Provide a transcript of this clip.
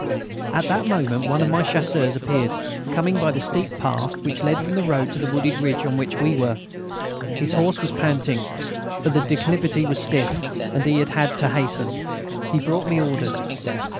At that moment one of my Chasseurs appeared, coming by the steep path which led from the road to the wooded ridge on which we were. His horse was panting, for the declivity was stiff, and he had had to hasten. He brought me orders.